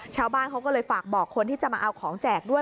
ชาวบ้านเขาก็เลยฝากบอกคนที่จะมาเอาของแจกด้วย